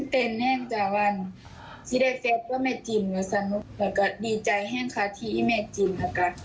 ผมไม่แมกรีกินแบบกัน